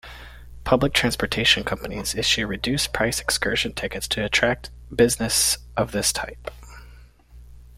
Public transportation companies issue reduced price excursion tickets to attract business of this type.